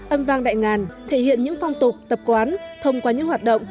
âm vang đại ngàn thể hiện những phong tục tập quán thông qua những hoạt động